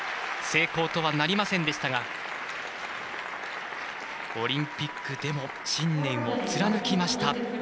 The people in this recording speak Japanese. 成功とはなりませんでしたがオリンピックでも信念を貫きました。